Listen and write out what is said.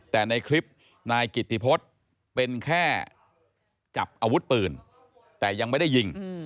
แต่ในคลิปนายกิติพฤษเป็นแค่จับอาวุธปืนแต่ยังไม่ได้ยิง